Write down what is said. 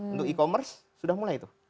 untuk e commerce sudah mulai tuh